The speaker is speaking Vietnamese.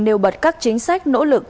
nêu bật các chính sách nỗ lực